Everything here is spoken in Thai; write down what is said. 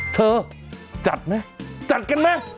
จัดไหมจัดกันไหม